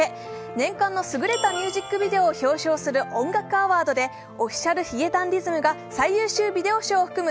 年間の優れたミュージックビデオを表彰する音楽アワードでＯｆｆｉｃｉａｌ髭男ｄｉｓｍが最優秀ビデオ賞を含む